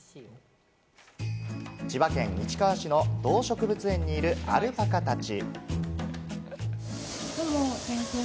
千葉県市川市の動植物園にいるアルパカたち。